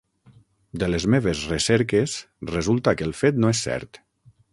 De les meves recerques resulta que el fet no és cert.